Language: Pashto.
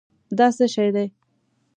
دا څه شی دی؟